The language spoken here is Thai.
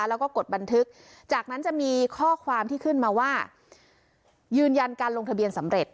แล้วก็กดบันทึกจากนั้นจะมีข้อความที่ขึ้นมาว่ายืนยันการลงทะเบียนสำเร็จ